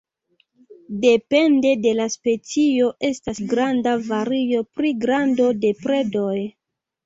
Depende de la specio estas granda vario pri grando de predoj.